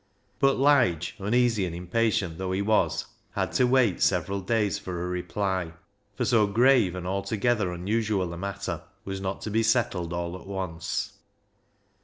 But Lige, uneasy and impatient though he was, had to wait several days for a reply, for so grave and altogether unusual a matter was not to be settled all at once.